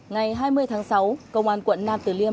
ngày hai mươi tháng sáu công an quận nam tử liêm